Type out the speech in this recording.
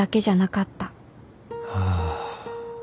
ああ